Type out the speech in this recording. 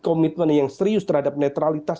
komitmen yang serius terhadap netralitas